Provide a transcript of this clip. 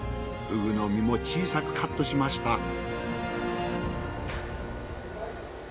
ふぐの身も小さくカットしました。